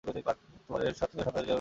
পরে সরকার শর্তাদি এবং অর্থ গ্রহণ করেছে।